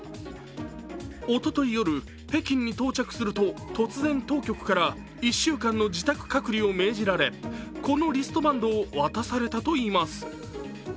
おととい夜、北京に到着すると突然当局から１週間の自宅隔離を命じられこのリストバンドを渡されたといいます。